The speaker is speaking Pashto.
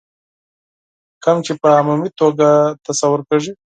کوم چې په عمومي توګه تصور کېږي.